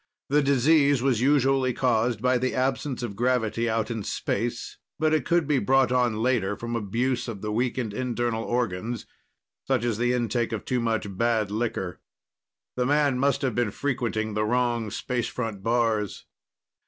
The disease was usually caused by the absence of gravity out in space, but it could be brought on later from abuse of the weakened internal organs, such as the intake of too much bad liquor. The man must have been frequenting the wrong space front bars.